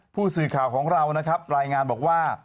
ผู้สื่อข่าวของเรานะครับรายงานบอกว่า